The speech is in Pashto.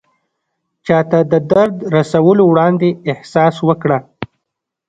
چاته د درد رسولو وړاندې احساس وکړه.